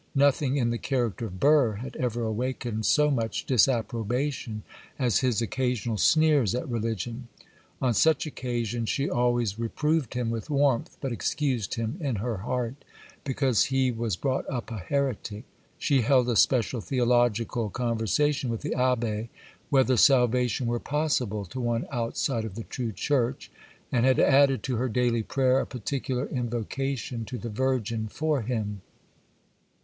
Nothing in the character of Burr had ever awakened so much disapprobation as his occasional sneers at religion. On such occasions she always reproved him with warmth, but excused him in her heart, because he was brought up a heretic. She held a special theological conversation with the Abbé, whether salvation were possible to one outside of the True Church,—and had added to her daily prayer a particular invocation to the Virgin for him.